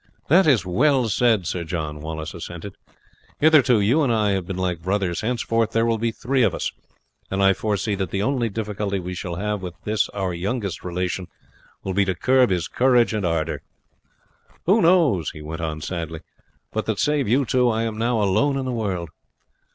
"That is well said, Sir John," Wallace assented. "Hitherto you and I have been like brothers; henceforth there will be three of us, and I foresee that the only difficulty we shall have with this our youngest relation will be to curb his courage and ardour. Who knows," he went on sadly, "but that save you two I am now alone in the world!